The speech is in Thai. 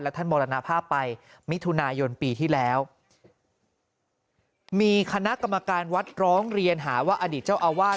ท่านมรณภาพไปมิถุนายนปีที่แล้วมีคณะกรรมการวัดร้องเรียนหาว่าอดีตเจ้าอาวาส